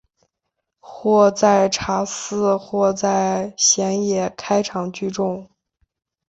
或在茶肆或在野闲开场聚众。